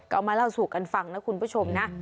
ก็มาเล่าสู่กันฟังนะคุณผู้ชมนะ